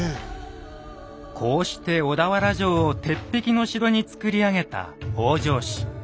こうして小田原城を鉄壁の城に造り上げた北条氏。